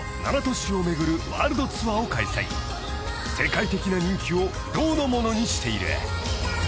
［世界的な人気を不動のものにしている］